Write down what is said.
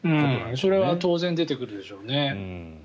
それは当然、出てくるでしょうね。